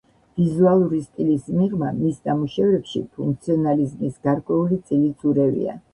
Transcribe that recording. ვიზუალური სტილის მიღმა მის ნამუშევრებში ფუნქციონალიზმის გარკვეული წილიც ურევია.